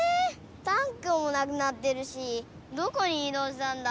タンクもなくなってるしどこにいどうしたんだ？